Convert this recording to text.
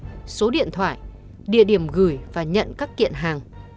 hắn đưa lại số điện thoại địa điểm gửi và nhận các kiện hàng